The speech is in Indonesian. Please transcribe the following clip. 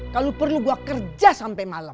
kalau perlu gue kerja sampai malam